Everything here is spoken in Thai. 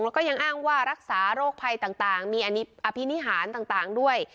แล้วก็ยังอ้างว่ารักษาโรคภัยต่างมีอภินิหารต่างด้วย